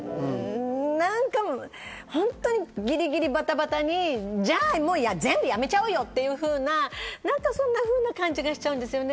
なんか本当にギリギリバタバタにじゃあ、全部やめちゃおうよっていうふうな感じがしちゃうんですよね。